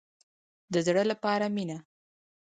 د زړه لپاره مینه.